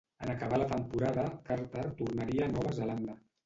En acabar la temporada, Carter tornaria a Nova Zelanda.